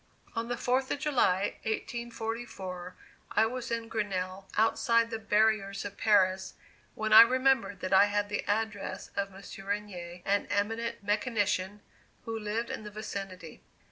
On the Fourth of July, 1844, I was in Grenelle, outside the barriers of Paris, when I remembered that I had the address of Monsieur Regnier, an eminent mechanician, who lived in the vicinity.